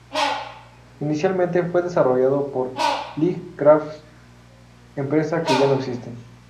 Inicialmente fue desarrollado por Light Crafts, empresa que ya no existe.